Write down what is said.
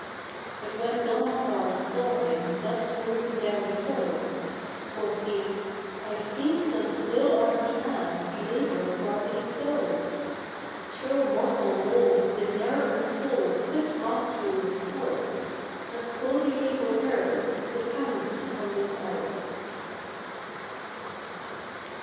But when Don Alvar saw him thus bruising down the foe, Quoth he, "I've seen some flail armed man belabor bar ley so: Sure mortal mould did ne'er enfold such mastery of power; Let 's call Diego Perez 'The Pounder' from this hour."